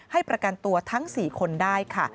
ให้ประกันตัวทั้ง๔คนได้ค่ะ